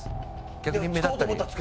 逆に目立ったり。